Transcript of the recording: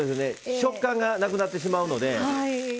食感がなくなってしまうので。